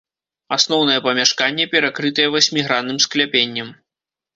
Асноўнае памяшканне перакрытае васьмігранным скляпеннем.